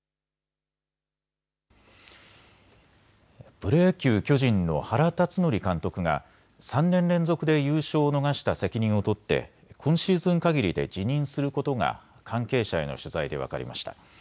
プロ野球、巨人の原辰徳監督が３年連続で優勝を逃した責任を取って今シーズンかぎりで辞任することが関係者への取材で分かりました。